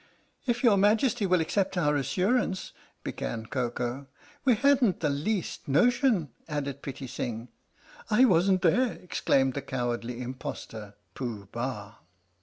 " If your Majesty will accept our assurance " began Koko. "We hadn't the least notion "added Pitti Sing. "I wasn't there!" exclaimed that cowardly im postor Pooh Bah.